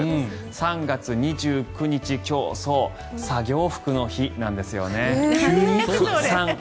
３月２９日、今日は作業着の日なんですよね。